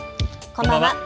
こんばんは。